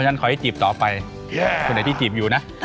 แม่บ้านประจันบัน